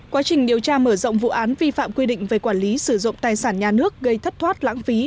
quá trình điều tra mở rộng vụ án vi phạm quy định về quản lý sử dụng tài sản nhà nước gây thất thoát lãng phí